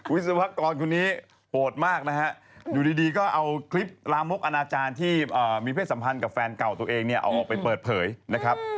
วิศวกรคนนี้โหดมากนะฮะอยู่ดีก็เอาคลิปลามกอนาจารย์ที่มีเพศสัมพันธ์กับแฟนเก่าตัวเองเนี่ยเอาออกไปเปิดเผยนะครับ